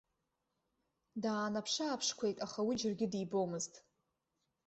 Даанаԥшыааԥшқәеит, аха уи џьаргьы дибомызт.